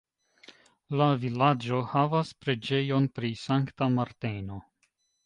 La vilaĝo havas preĝejon pri Sankta Marteno.